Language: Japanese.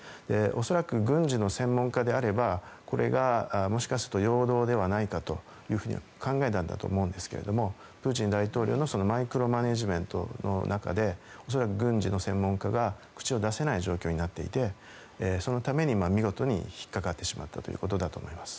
恐らく、軍事の専門家であればこれがもしかすると陽動ではないかと考えると思いますがプーチン大統領のマイクロマネージメントの中で恐らく、軍事の専門家が口を出せない状況になっていてそのために見事に引っかかってしまったということだと思います。